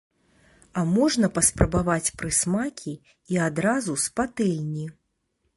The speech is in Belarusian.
А можна паспрабаваць прысмакі і адразу з патэльні.